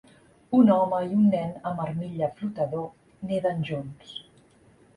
Un home i un nen amb armilla flotador neden junts